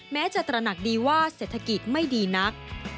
แม้จะตระหนักดีว่าเศรษฐกิจไม่ดีนัก